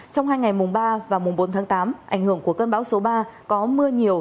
trong hai ngày mùng ba và mùng bốn tháng tám ảnh hưởng của cơn bão số ba có mưa nhiều